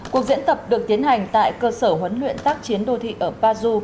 cuộc diễn tập được tiến hành tại cơ sở huấn luyện tác chiến đô thị ở pazu